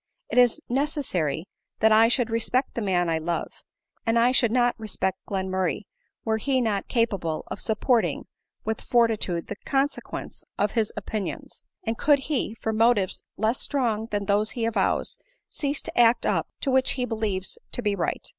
It is necessary that I should respect die man I love ; and I should not respect Glenmurray were he not capable of supporting with for titude the consequences of his opinions ; and could he, for motives less strong than those he avows, cease to act up to what he believes to be right.